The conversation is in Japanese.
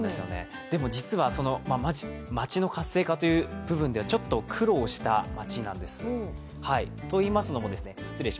実は、その町の活性化という部分ではちょっと苦労した町なんです。